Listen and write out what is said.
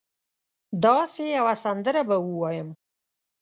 داسي یوه سندره به ووایم